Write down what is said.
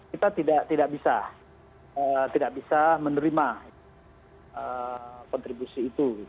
kita tidak bisa menerima kontribusi itu